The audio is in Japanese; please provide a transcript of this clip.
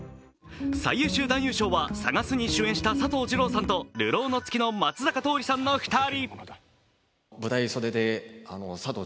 最優秀男優賞は「さがす」に主演した佐藤二朗さんと「流浪の月」の松坂桃李さんの２人。